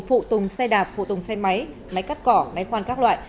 phụ tùng xe đạp phụ tùng xe máy máy cắt cỏ máy khoan các loại